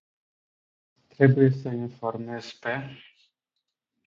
Trebuie sa informez pe.